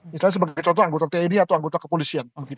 misalnya sebagai contoh anggota tni atau anggota kepolisian